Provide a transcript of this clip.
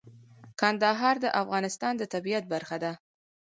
کندهار د افغانستان د طبیعت برخه ده.